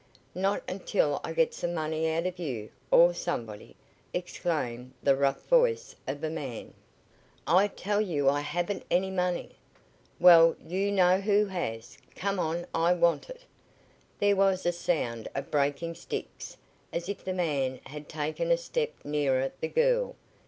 "Not until I get some money out of you or somebody!" exclaimed the rough voice of a man. "I tell you I haven't any money!" "Well, you know who has. Come on, I want it." There was a sound of breaking sticks, as if the man had taken a step nearer the girl.